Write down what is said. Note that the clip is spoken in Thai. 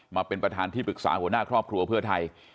มาเป็นประธานที่ปรึกษาหัวหน้าครอบครัวเพื่อไทย